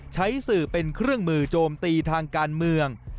ใช้สื่อเป็นเครื่องมือโจมตีทางการเมือง